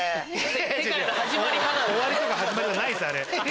終わりとか始まりじゃないんです